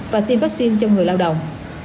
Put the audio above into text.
và tiêm vaccine cho người lao động